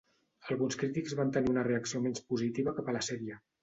Alguns crítics van tenir una reacció menys positiva cap a la sèrie.